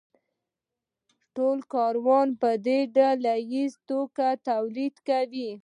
ټول کارګران په ډله ییزه توګه تولیدات کوي